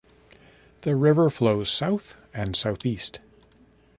The river flows south and southeast.